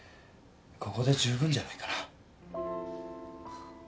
ここで十分じゃないかな。